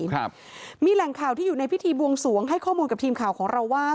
ครับมีแหล่งข่าวที่อยู่ในพิธีบวงสวงให้ข้อมูลกับทีมข่าวของเราว่า